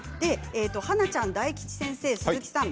華ちゃん、大吉先生鈴木さん